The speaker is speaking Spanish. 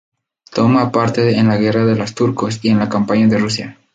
Toma parte en la guerra de los Turcos y en la campaña de Rusia.